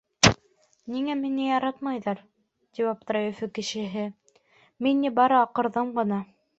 — Ниңә мине яратмайҙар? — тип аптырай Өфө кешеһе. — Мин ни бары аҡырҙым ғына!